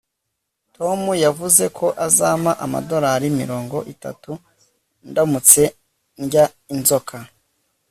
Tom yavuze ko azampa amadorari mirongo itatu ndamutse ndya inzoka